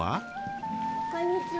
こんにちは。